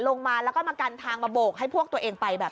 ลงมาแล้วก็มากันทางมาโบกให้พวกตัวเองไปแบบ